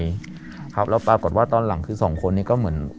ครับแล้วปรากฏว่าตอนหลังคือสองคนนี้ก็เหมือน